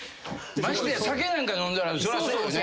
ましてや酒なんか飲んだらそらそうよね。